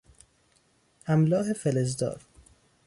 املاح فلزدار